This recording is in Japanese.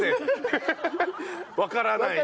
わからない。